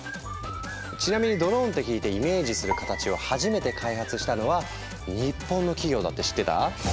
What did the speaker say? ちなみにドローンって聞いてイメージする形を初めて開発したのは日本の企業だって知ってた？